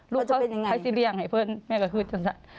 เขาจะเป็นอย่างไรลูกเขาให้สิเรียงให้เพื่อนแม่ก็คือจังไง